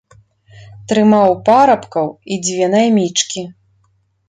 Трымаў парабкоў і дзве наймічкі.